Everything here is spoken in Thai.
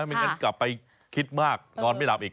ไม่งั้นกลับไปคิดมากนอนไม่หลับอีก